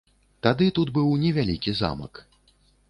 Тады тут быў невялікі замак.